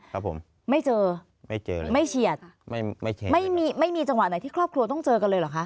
ครับผมไม่เจอไม่เชียดไม่มีจังหวะไหนที่ครอบครัวต้องเจอกันเลยเหรอคะ